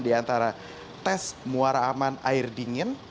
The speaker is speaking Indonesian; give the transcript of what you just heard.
di antara tes muara aman air dingin